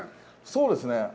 そうですね。